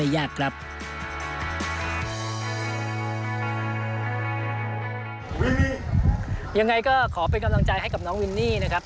ยังไงก็ขอเป็นกำลังใจให้กับน้องวินนี่นะครับ